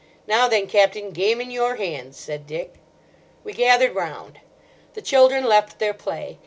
Now then, Captain, game in your hands," said Dick. We gathered round. The children left their play.